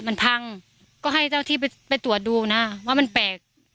มันพังก็ให้เจ้าที่ไปตรวจดูนะว่ามันแปลก